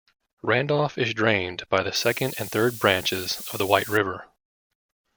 Randolph is drained by the second and third branches of the White River.